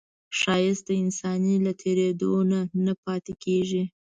ښایست د انسان له تېرېدو نه نه پاتې کېږي